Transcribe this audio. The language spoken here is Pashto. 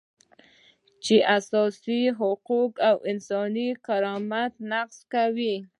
چې اساسي حقوق او انساني کرامت نقضوي.